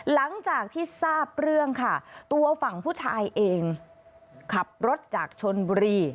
หลังจากที่ทราบเรื่องค่ะตัวฝั่งผู้ชายเองขับรถจากชนบุรี